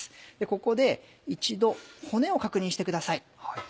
ここで一度骨を確認してください。